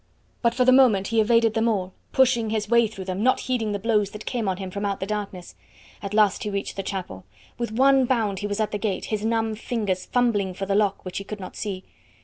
But for the moment he evaded them all, pushing his way through them, not heeding the blows that came on him from out the darkness. At last he reached the chapel. With one bound he was at the gate, his numb fingers fumbling for the lock, which he could not see.